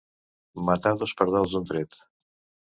Matar dos pardals d'un tret.